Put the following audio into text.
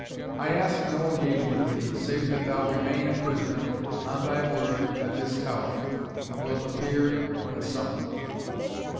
I ask no engagement of thee, save that thou remain a prisoner on thy word at this tower, and wilt appear when summoned."